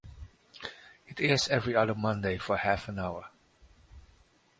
It airs every other Monday for half an hour.